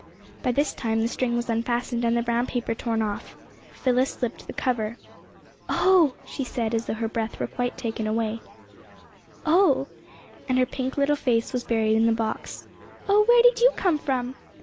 By this time the string was unfastened, and the brown paper torn off. Phyllis slipped the cover. '' Oh! " she said, as though her breath were quite taken away. 47 48 THE ARBUTUS ^^ Oh! '' and her pink little face was buried in the box. ^^ Oh, where did you come from?